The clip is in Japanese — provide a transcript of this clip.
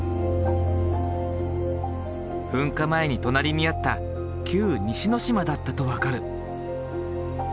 噴火前に隣りにあった旧・西之島だったと分かる。